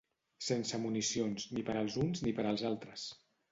Sense municions ni per als uns ni per a les altres